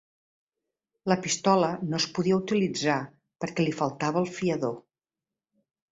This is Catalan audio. La pistola no es podia utilitzar perquè li faltava el fiador.